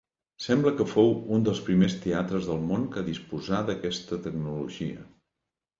Sembla que fou un dels primers teatres del món que disposà d'aquesta tecnologia.